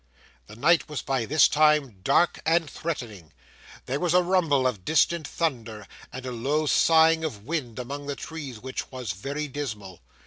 The night was by this time dark and threatening. There was a rumbling of distant thunder, and a low sighing of wind among the trees, which was very dismal.